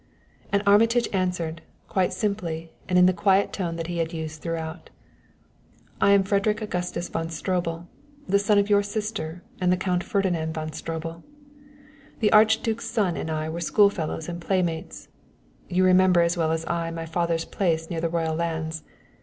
And Armitage answered, quite simply and in the quiet tone that he had used throughout: "I am Frederick Augustus von Stroebel, the son of your sister and of the Count Ferdinand von Stroebel. The Archduke's son and I were school fellows and playmates; you remember as well as I my father's place near the royal lands.